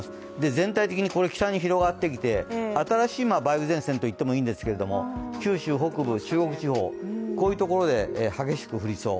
全体的に北に広がってきて新しい今、梅雨前線と言ってもいいんですけれども九州北部、中国地方、こういうところで、激しく降りそう。